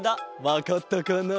わかったかな？